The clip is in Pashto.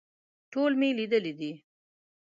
ټول مې لیدلي دي.